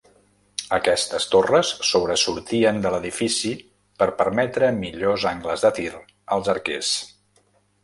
Aquestes torres sobresortien de l'edifici per permetre millors angles de tir als arquers.